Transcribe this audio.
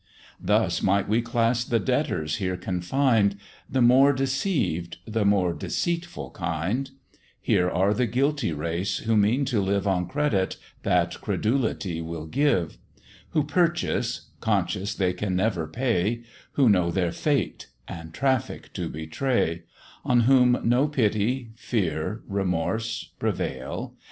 Thus might we class the Debtors here confined, The more deceived, the more deceitful kind; Here are the guilty race, who mean to live On credit, that credulity will give; Who purchase, conscious they can never pay; Who know their fate, and traffic to betray; On whom no pity, fear, remorse, prevail.